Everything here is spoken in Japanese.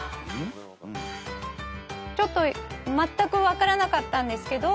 まったく分からなかったんですけど。